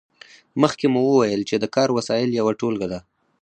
مخکې مو وویل چې د کار وسایل یوه ټولګه ده.